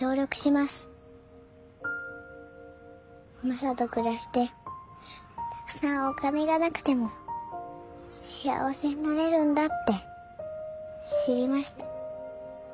マサと暮らしてたくさんお金がなくても幸せになれるんだって知りました。